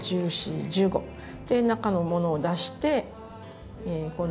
で中のものを出して今度は。